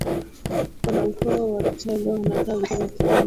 wanaukoo wa kichaga wanakaa vikao vyao kipindi cha sikukuu